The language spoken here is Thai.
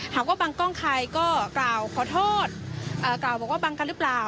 หากว่าบังกล้องใครก็กล่าวขอโทษกล่าวบอกว่าบังกันหรือเปล่า